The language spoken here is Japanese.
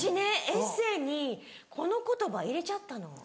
エッセーにこの言葉入れちゃったの。